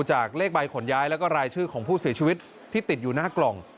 จากเลขใบขนย้ายแล้วก็รายชื่อของผู้เสียชีวิตที่ติดอยู่หน้ากล่อง